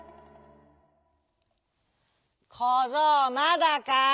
「こぞうまだか？」。